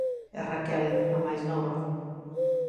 E Raquel, a máis nova.